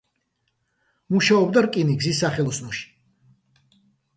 მუშაობდა რკინიგზის სახელოსნოში.